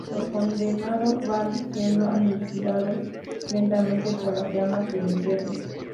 Los condenados van siendo aniquilados lentamente por las llamas del infierno.